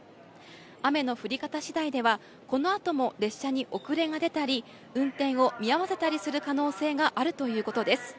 雨の降り方次第では、この後も列車に遅れが出たり、運転を見合わせたりする可能性があるということです。